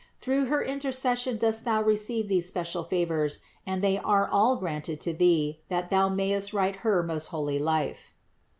Through her intercession dost thou receive those special favors and 16 INTRODUCTION they are all granted to thee that thou mayest write her most holy life.